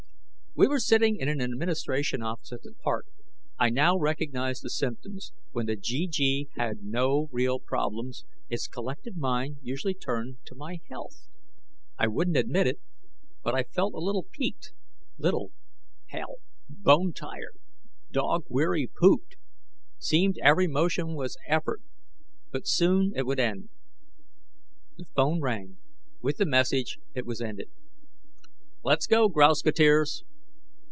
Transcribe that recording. We were sitting in an administration office at the park. I now recognized the symptoms; when the GG had no real problems, its collective mind usually turned to my health. I wouldn't admit it, but I felt a little peaked. Little? Hell, bone tired, dog weary pooped. Seemed every motion was effort, but soon it would end. The phone rang. With the message, it was ended. "Let's go, grouseketeers."